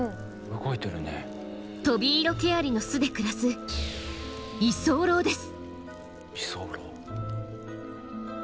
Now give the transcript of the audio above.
トビイロケアリの巣で暮らす居候です。